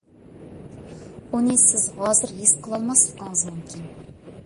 ئۇنى سىز ھازىر ھېس قىلالماسلىقىڭىز مۇمكىن.